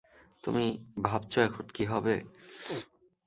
তুমি ভাবছো এখন কী হবে।